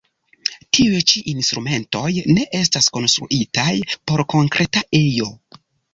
Tiuj ĉi instrumentoj ne estas konstruitaj por konkreta ejo.